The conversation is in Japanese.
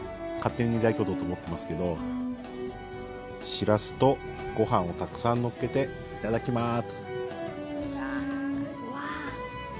シラスとご飯をたくさん乗っけていただきます。